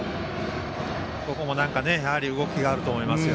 ここも動きがあると思います。